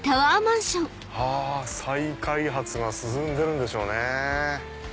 再開発が進んでるんでしょうね。